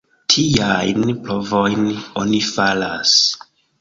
Tiajn provojn oni faras.